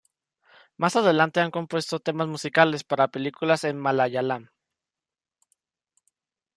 Más adelante han compuesto temas musicales para películas en Malayalam.